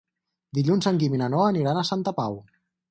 Dilluns en Guim i na Noa aniran a Santa Pau.